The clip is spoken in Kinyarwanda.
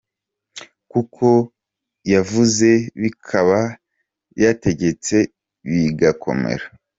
Kuko yavuze bikaba, Yategetse bigakomera.